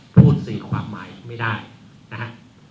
พูดสื่อความหมายไม่ได้นะฮะ